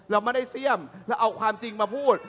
เราไม่ได้เสี่ยมเราเอาความจริงมาพูด